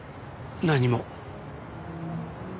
何も？